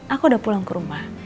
aku udah pulang ke rumah